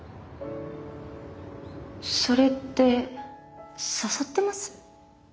それって誘ってます？